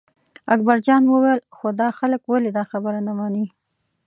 اکبرجان وویل خو دا خلک ولې دا خبره نه مني.